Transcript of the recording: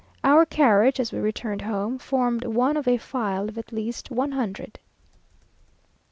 Our carriage, as we returned home, formed one of a file of at least one hundred.